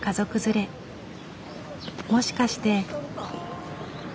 もしかして。